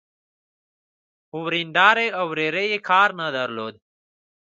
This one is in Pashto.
په وريندارې او ورېرې يې کار نه درلود.